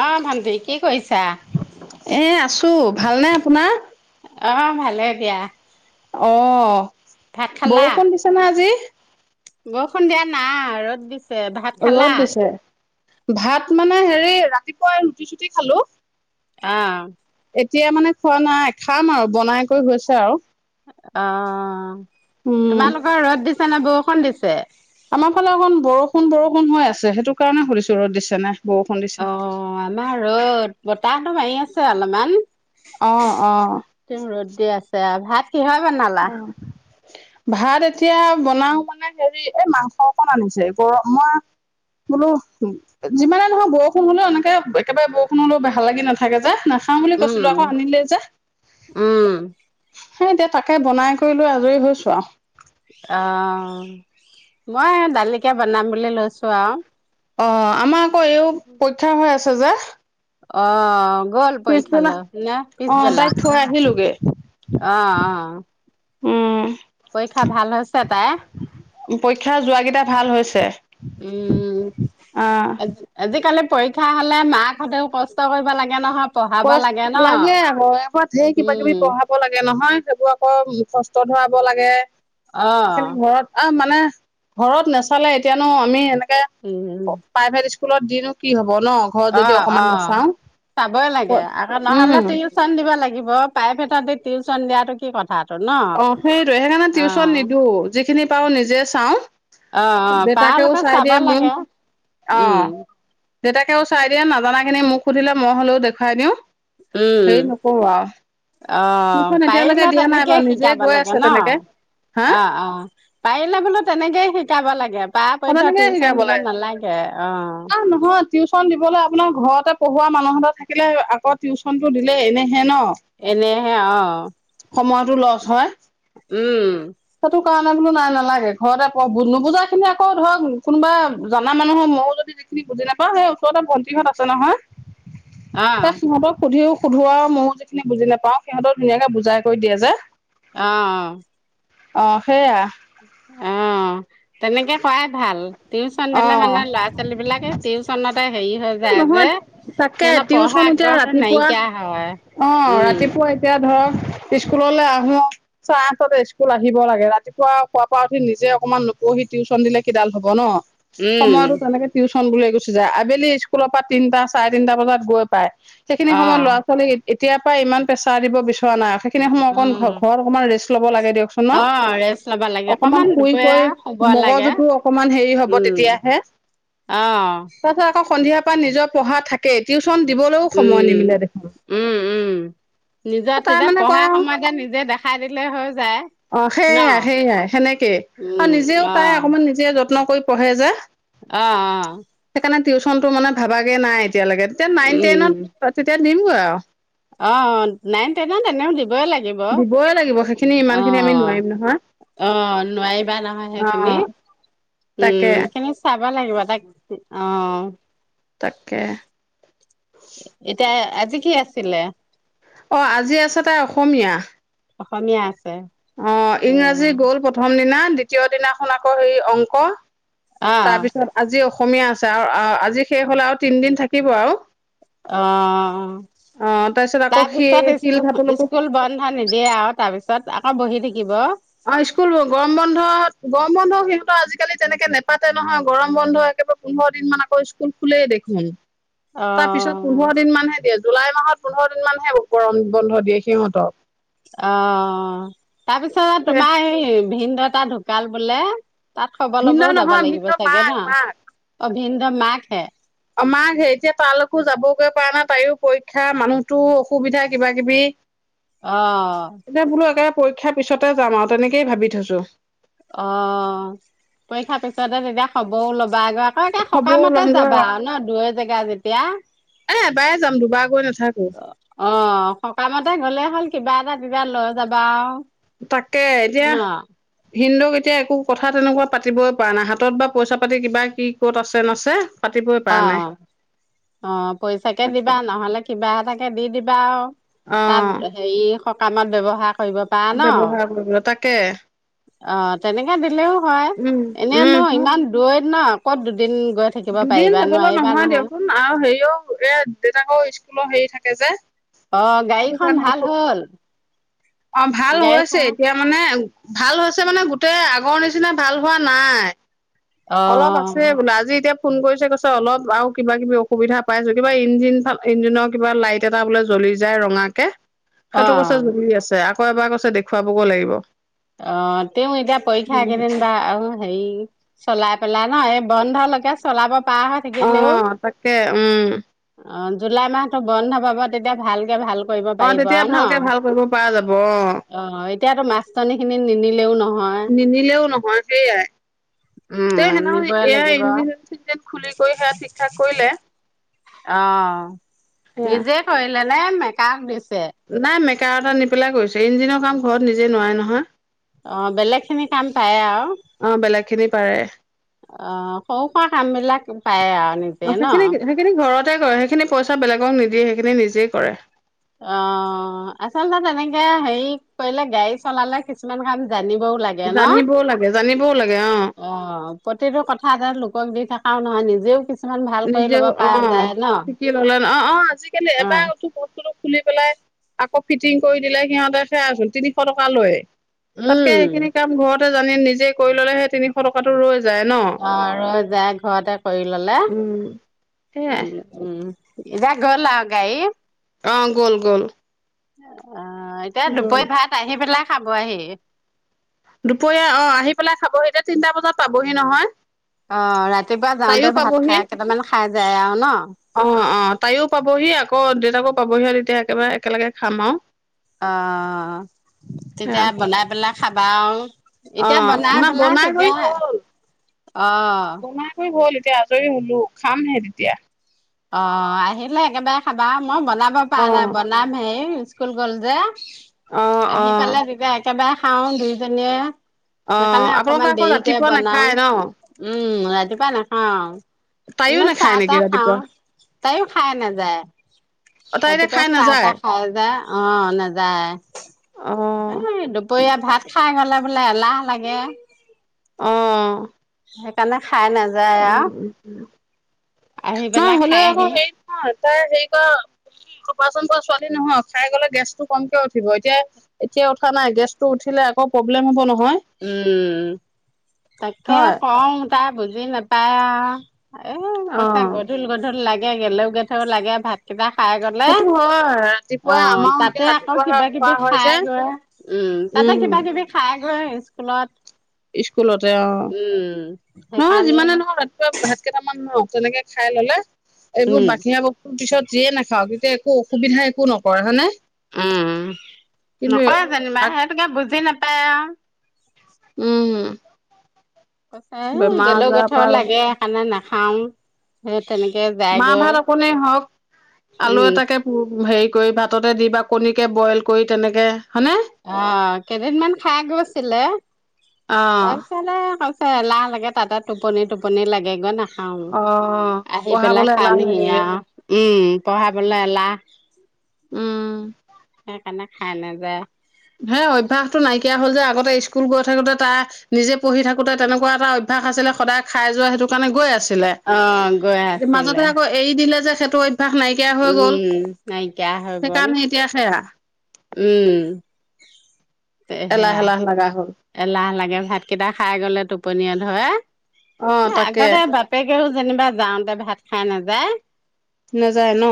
আহ ভন্টি কি কৰিছা এ আছো ভালনে আপোনাৰ অ ভালে দিয়া অ ভাত খালা? বৰষুণ দিছে না আজি। বৰষুণ দিয়া না ৰদ দিছে ভাত খালা ৰ'দ দিছে। ভাত মানে হেৰি ৰাতিপুৱাই ৰুটি চুটি খালো আহ এতিয়া মানে খোৱা নাই খাম আৰু বনাই কৰি হৈছে আৰু অ উম। তোমালোকৰ ৰ'দ দিছ এইপিনে বৰষুণ দিছে আমাৰ ফালে অকণ বৰষুণ বৰষুণ হৈ আছে সেইটো কাৰণে সুধিছো ৰ'দ দিছে নে বৰষুণ দিছে। অহ আমাৰ ৰ'দ বতাহটো মাৰি আছে অলপমান অ', অ'। তেউ ৰ'দ দি আছে আ ভাত কিহে বনালা ভাত এতিয়া বনাও মানে হেৰি এই মাংস অকণ আনিছো গৰম মই বোলো যিমানে নহয় বৰষুণ হলেও এনেকে একেবাৰে বৰষুণ হলেও ভাল লাগি নাথাকে যে না নাখাও বুলি উম, কৈছিলো আকৌ আনিলে যে উম, খাই দে তাকে বনাই কৰি লৈ আজৰি হৈছো আৰু অহ মই দালিকে বনাম বুলি লৈছো আৰু অহ আমাক এও পৰীক্ষা হৈ আছে হাজা অহ গ'ল পৰীক্ষালৈ [unintelligible] অ' তাইক পিছবেলা, থৈ আহিলোগে। অহ অহ উম পৰীক্ষা ভাল হৈছে তাইৰ পৰীক্ষা যোৱা কেইটা ভাল হৈছে। উম অ' আজিকালি পৰী পৰীক্ষা হ'লে মাক হতেও কষ্ট কৰিব লাগে নহয় পঢ়াব ন লাগে আকৌ এবাৰত ধেৰ কিবা কিবি উম পঢ়াব লাগে নহয় সেইবোৰ আকৌ মুখস্ত ধৰাব লাগে অ সেইকাৰণে ঘৰত আহ মানে মানে ঘৰত নাচালে এতিয়ানো আমি এনে উম উম স্কুলত দিনো কি হ'ব হ'ব নহ ঘৰত অ যদি অকণমান অ নাচাও চাবই লাগে আকৌ নহ'লে টিউশচন দিব লাগে লাগিব প্ৰাইভেটত দি টিউশচন দিয়াটো কি কথা অহ সেইটোৱে সেইকাৰণে টিউশচন নিদো যিখিনি পাওঁ নিজে চাওঁ অ অ দেউতাকেও পাৰালৈকে চাই চাব দিয়ে লাগে মোক উম অহ দেউতাকেও চাই দিয়ে নাজানাখিনি মোক সুধিলে মই হ'লেও দেখুৱাই দিওঁ সেই উম নক' বা অ পাৰিলে তেনেকেই শিকাব গৈ লাগে আছে ন তেনেকে হা অ অ পাৰিলে বোলো তেনেকেই শিকাব লাগে পাৰা পধ্যত সকে টিউচন শিকাব দিব লাগে নালাগে অ আহ নহয় টিউশচন দিবলৈ আপোনাৰ ঘৰতে পঢ়োৱা মানুহঁতৰ থাকিলে আকৌ টিউচনো দিলে এনে এনেহে অ সময়টো লছ হয় উম সেইটো কাৰণে বোলো নাই নালাগে ঘৰতে নুবুজা খিনি [unintelligible] আকৌ ধৰক কোনোবা জনা মানুহৰ ময়ো যদি যিখিনি বুজি নাপাওঁ সেই ওচৰতে ভণ্টি ঘৰত আছে নহয় অ [unintelligible] তাক সিহঁতক সুধিও সুধোৱা মো যিখিনি বুজি নাপাওঁ সিহঁতও ধুনাকে বুজাই কৰি দিয়ে যে [unintelligible] আহ অ [unintelligible] অ সেইয়া অ তেনেকে কৰাই ভাল টিউচন অ দিলে মানে ল'ৰা ছোৱালী বিলাকে টিউশচনতে নহয় তাকে পঢ়া টিউচন এতিয়া আগ্ৰহটো ৰাতিপুৱা নাইকিয়া হয় অ উম ৰাতিপুৱা এতিয়া ধৰক স্কুললৈ আহো চাৰে আঠতে স্কুল আহিব লাগে ৰাতিপুৱা খুৱ পৰাা উঠি নিজে অকনমান নুপঢ়ি টিউচনিলে কিডাল হব ন [unintelligible] সময়টো উম তেনেতে টিউচন বুল গোচী যায় আবেলি স্কুলৰ পৰা তিনিটা চাৰে তিনিটা বজাত গৈ পায় সেইখিনি অ সময়ত ল'ৰা-ছোৱালী এতিয়খ পৰা ইমান প্ৰেছাৰ দিব বিচৰা নাই [unintelligible] সেইখিনি সময় অকণ ঘৰত উম অকমান ৰেষ্ট ল'ব লাগে দিয়কচোন ন অ ৰেষ্ট ল'ব লাগে অকমান দুপৰীয়া শুইকৈ শুব লাগে মগজুটো অকমান হেৰি হব উম তেতিয়াহে অ তাৰপিছত আকৌ সন্ধিয়া নিজৰ পঢ়া থাকে টিও উম-উম-উম নিজৰ তাই তেতিয়া মানে কয় পঢ়া আৰু সময়তে নিজে দেখাই দিলে হৈ যায়। অ ন সেইয়াই সেইয়াই সেনেকেই আৰু উম নিজেও তাই আহ [unintelligible] অকমান নিজে যত্ন কৰি পঢ়ে যে আহ আহ সেইকাৰণে টিউচনটো মানে ভাবাগে নাই তেতিয়ালৈকে তেতিয়া নাইন টেনত উম তেতিয়া দিমগৈ আৰু অ অ নাইন টেন তেনেও দিবি [unintelligible] লাগিব দিবই লাগিব সেইখিনি ইমান খিনি আমি নোৱাৰিম নহয় অ-অ নোৱাৰিবা নহয় অ সেইখিনি তাকে উম খিনি চাব দিবা লাগিব তাক অ'। তাকে। এতিয়া কি আছিলে? অ' আজি আছে তাই অ অসমীয়া। অসমীয়া আছে। অ' ইংৰাজী উম, গ'ল প্ৰথম দিনা। দিতীয় দিনাখন আকৌ সেই অংক। অ', তাৰপিছত আজি অস অসমীয়া আছে আৰু আজি শেষ হলে আৰু তিনদিন থাকিব আৰু। অ' অ', তাৰপিছত আকৌ সি তাৰপিছত শিলঘাটলৈকো স্কুল বন্ধ নিদিয়ে আৰু তাৰ পিছত আকৌ বহি থাকি কিব অ' স্কুল গৰম বন্ধত গৰম বন্ধ সিহঁতৰ আজিকালি তেনেকে নেপাতে নহয় গৰম বন্ধ একেবাৰে পোন্ধৰ দিন মান আকৌ স্কুল খুলেই দেখোন। তাৰ পিছত অ', পোন্ধৰ দিন মানহে দিয়ে। জুলাই মাহত পোন্ধৰ দিন মানহে গৰম বন্ধ দিয়ে সিহঁতক। অ'। তাৰ পিছত তোমাৰ এই ভিন দেটা ঢুকাল বোলে। তাত খবৰ ভিন্ন ল'বও যাব নহয় ভিন্ন লাগিব চাগে মাক ন, অ ভিনদেউৰ মাকহে। আমাৰ হেৰিতযে তালৈকো যাবগৈ পৰা নাই তাইৰও পৰীক্ষা মানুহতোৰো অসুবিধা কিবা কিবি। অ', এতিয়া বোলো একে পৰীক্ষাত। পিছতে যাম আৰু তেনেকেইে ভাবি থৈছো। অ' পৰীক্ষাৰ পিছতে তেতিয়া খবৰও ল'বা গৈ অ' একে হ'ব সকামতে ওলমগৈ যাবা আৰু ন দুই জেগা যেতিয়া। এ এবাৰে যাম দুবাৰ গৈ নাথাকো অ' সকামতে গলে হ'ল। কিবা এটা কিবা লৈ যাবা আৰু। তাকে এতিয়া। ন ভিনদেউক এতিয়া একো কথা তেনেকুৱা পাতিবই পৰা নাই হাতত বা পইচা পাতি কিবা কি ক'ত আছে নাছে। পাতিবই অ পৰা নাই। অ' পইচাকে তাকে দিবা নহলে কিবা। তাকে দি দিবা আৰু। অ তাত হেৰি সকামত ব ব্যৱহাৰ কৰিব পাৰা ন ব্যৱহাৰ কৰিব তাকে অ তেনেকে দিলেও হয় উম এনে উম নো ইমান দৈত ন কত দিন গৈ থাকিব পাৰিবা নোৱাৰিবা নহয় এও এ দেউতাকৰ স্কুলৰ হেৰি থাকে যে। অ সেইটো গাড়ীখন কাৰণে ভাল অসুখ হ'ল? অ ভাল আ হৈছে গাড়ীখন এতিয়া মানে ভাল হৈছে মানে গোটেই আগৰ নিচিনা ভাল হোৱা নাই অ অলপ আছে বোলে আজি এতিয়া ফোন কৰিছে কৈছে অলপ আৰু কিবা কিবি অসুবিধা পাইছো কিবা ইঞ্জিনাল ইঞ্জিনৰ কিবা লাইট এটা বোলে জ্বলি যায় ৰঙাকে সেইটো অ কছে জৰি আছে। কৌ এবাৰ কৈছে দেখুৱাবগৈ লাগিব। অ তেওঁ এতিয়া পৰীক্ষা কেইদিন বা আহ হেৰি চলাই লা নহয় এই বন্ধলৈকে চলাব পাৰ হৈ অ থাকিলেও তাকে উম অ জুলাই মাহতটো বন্ধ পা তেতিয়া ভালকে ভাল কৰিব অ পাৰিব তেতিয়া আৰু ন? ভালকে ভাল কৰিব পৰা যাব অ অ', এতিয়াতো মাষ্টৰনী খিনি নিনিলেও নহয়। নিনিলেও নহয় সেইয়াই তে উম, নিবই লাগিব। সেনেক এ খুলি কৰি সেয়া ঠিক ঠাক কৰিলে অ সেয়া নিজে কলেে মেকাক দি নাই মে [unintelligible] এটা নি পেলাই কৰিছে ইঞ্জিনৰ কাম ঘৰত নিজে নোৱাৰে নহয় অ বেলেগ খিনি কাম পায় আৰু অ বেলেগ খিনি পাৰে অ সৰু খৰা কাম বিলাক পায় আৰু নিজে অ সেইখিনি ন? সেইখিনি ঘৰত কৰে সেইখিনি পইচা বেলেগক নিদিয়ে সেইখিনি নিজেই কৰে অ আচলতে তেনেকে হেৰি কৰিলে গাড়ী চলালে কিছুমান কাম জানিব লাগে ন জানিবও লাগে জানিবও লাগে অ প্ৰতিটো কথা এ ল দি থকাও নহয় নিজেও কিছুমান ভাল কৰি ল'ব নিজেও অ পৰা যায় ন িকি ললে ন অ অ আজিকালি এবাৰ বস্তু খুলি পেলাই আকৌ ফিটিং কৰি দিলে সিহঁতে চোই আচোন তিনিশ টকা লৈে তাতকে উম সেইখিনি কাম ঘৰত [unintelligible] জানি নিজে কৰি ললে সেই তিনিশ টকাটো ৰৈ যায় ন অ আৰু যাই ঘৰতে কৰি ললে উম সেয়াই উম উম এতিয়া গ'ল আৰু গাড়ী অ গ'ল গ'ল উ অ অ এতিয়া গ'ল দুপৰীয়া ভাত আহি পেলাই খাব আহে দুপৰীয়া অ আহি পেলাই খাবহি এতিয়া তিনটা বজাত পাবহি নহয় অ ৰাতিপুৱা তাইও যাওঁতে ভাত পাবহি খাই কেইটামান খাই যায় আৰু ন অ অ তাইও পাবহি আকৌ দেউতাকো পাবহি আৰু তেতিয়া একেবাৰে একেলগে খাম আৰু অ সেয়া তেতিয়া বনাই পেলাই খাবা [unintelligible] অ বনাই মানে পেলাই বনাই তেতিয়া কৰি হ'ল অ বনাই কৰি হল তেতিয়া আজৰি ওলো খামহে তেতিয়া অ আহিলে একেবাৰে খাবা মই বনাব পৰা অ নাই বনাম হে স্কুল কলেজে অ অ আহি পালে তেতিয়া একেবাৰে খাওঁ দুইজনীয়ে অ সেইকাৰণে অকমান আপোনালোকৰ আকৌ দেৰিকে ৰাতিপুৱা বনাও নাখায় ন উম ৰাতিপুৱা নাখাওঁ তাইও এনে চাহ নাখায় তাহ নেকি খাওঁ ৰাতিপুৱা তাইও খাই নাযায় অ তাই এতিয়া ৰাতিপুৱা খাই চাহ নাযায় তাহ খাই যায় অ অ নাযায় দুপৰীয়া ভাত খাই গলে বোলে এলাহ লাগে আহ সেইকাৰণে খাই নাযায় আৰু উম আহি নহয় পেলাই হ'লেও আকৌ খাইহি হেৰি নহয় তাই হেৰি কৰা অপাৰচন কৰা ছোৱালী নহয় খাই গলে গেছটো কমকে উঠিব এতিয়া এতিয়া উঠা নাই গেছটো উঠিলে আকৌ প্ৰব্লেম হব ন উম তাকে হয় কওঁ তাই বুজি - নাপায়া আৰু এ পইচা অ', গধুল গধুল গেলেও গেথেও লাগে ভাত কিবা খাই গলে সেইটো হয় অ ৰাতিপুৱা আমাৰো এতিয়া তাতে আকৌ ৰাতিপুৱা কিবা খোৱা কিবি হয় খাই যে গৈ উম তাতে কিবা কিবি খাই ন স্কুলত। স্কুলতে অ উম, নহয় সেইকাৰণে যিমানে নহওঁক ৰাতিপুৱা ভাত কেইটামান ন তেনেকে খাই ললে এইবোৰ উম, বাহিৰা বস্তু পিছত যিয়ে নাখাওক এতিয়া একো অসুবিধা একো নকৰে হয়ে নে? উম নকয় যেনিবা সেইটোকে বুজি নাপ উম। কৈছে এই বেমাৰ গেলৌ আজাৰৰ গেথৌ পৰা লাগে সেইকাৰণে না- খাওঁ স মা ভাত অকনেই হওক আলু উম, এটাকে পুৰু হেৰি কৰি ভাততে দি বা কণীকে বইল কৰি তেনেকে হয়নে? অ কেইদিনমান খাই গৈছিলে অ', তাৰপিছতে এলাহ লাগে তাতে টোপনি টোপনি লাগে গৈ না খা অ', আহি পেলাই পঢ়াবলৈ এলাহ খামহি লাগে আৰু উম পঢ়াবলৈ এওলাহ উ সেইকাৰণে খাই নাযায়। হে অভ্য়াসতটো নাইকিয়া হ'ল যে আগতে স্কুল গৈ থাকোতে তাৰ নিজে পঢ়ি থাকোতে তেনেকুৱা এটা অভ্যাস আছিলে সদায় খাই যোৱা সেইটো কাৰণে গৈ আছিল অ গৈ মাজতে আছিলে আকৌ এৰি দিলে যে - [unintelligible] অ্যাস নাইকিয়া হৈ গল উম নাইকিয়া হৈ গল সেইকাৰণে এতিয়া সেয়া উম এলাহ এলাহ লগা হ'ল এ লাহ লাগে ভাত কেইটা খাই গলে টোপনিয় ধৰে অ তাকে আগতে বাপেকে যেনিবা যাওঁতে ভাত খাই নাযায়। নাযায় ন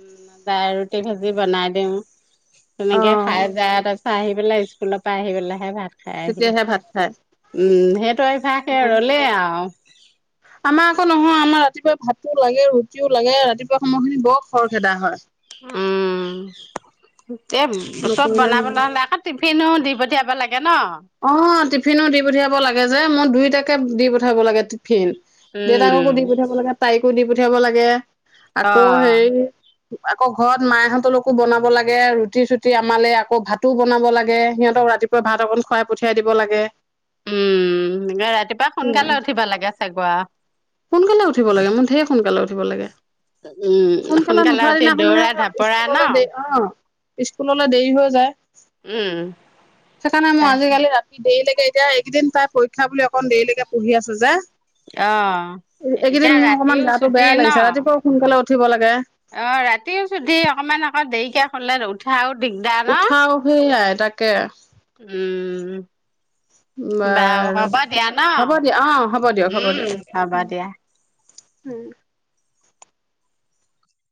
উ দাইল ৰুটি ভাজি বনাই দি [unintelligible] অ তেনেকে খাই যায় ত আ আহি পেলাই স্কুলৰ পৰা আহি পেলাইহে ভাত খ সি তেতিয়াহে ভাত খায় উম সেইটো এফা অ সে ৰলেই আৰু আমাৰ আকৌ নহয় আমাৰ ৰাতিপুৱা ভাতো লাগে ৰুটিও লাগে ৰাতিপুৱা সময়খিনি বৰ খৰ খেদা হয় উম এ চব নকৰিলে নহয় বনাবন হলে আকৌ টিফিনো দি পঠিয়াব লাগে ন অ টিফিনো দি পুঠিয়াব লাগে যে মই দুইটাকে দি পঠাব লাগে ফ দেউতাককো উম দি পুঠিয়াব লাগে তাইক কু দি পঠিয়াব লাগে আকৌ অ হেইৰি আকৌ ঘৰত মাহঁতলকো বনাব লাগে ৰুটি চুটি আমালে আকৌ ভাতো বনাব লাগে সিহঁতক ৰাতিপুৱা ভাত অকন [unintelligible] খুৱাই পঠিয়াই দিব লাগে উম, ৰাতিপুৱা স সোনকালে উঠিব লাগে চাগৈ আও। সোনকালে উঠিব লাগে মোৰ েৰ সোনকালে উঠিব লাগে উম, সোনকালে নুঠোৱা উঠি দিনাখনহে দৌৰা ঢাপৰা ন? স্কুললৈ দ আহ [unintelligible] স্কুললৈ দেৰি হৈ যায়। উম ৰা দেৰিলৈকে এতিয়া এইকেদিন তাই পৰীক্ষা বুলি অকন দেৰিলৈকে পঢ়ি আছো যে [unintelligible] অ এইকেইদিন এতিয়া মোৰ ৰাতিও ছুটি ন [unintelligible] উঠিবলাগে অ ৰাতিও চুটি অকমান অকৌ দেৰিকে খালা উঠা আৰু উঠাও সেয়াই তাকে উম, বাৰু হ'ব দিয়া ন? হব দিয়া আহ হ'ব দিয়ক হ'ব উম, দিয়ক হ'ব দিয়া। [unintelligible] উম